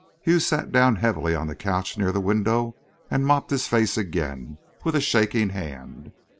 Hughes sat down heavily on the couch near the window, and mopped his face again, with a shaking hand.